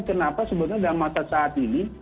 kenapa sebenarnya dalam masa saat ini